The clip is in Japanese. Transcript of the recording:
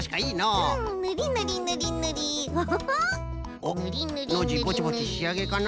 おっノージーぼちぼちしあげかな。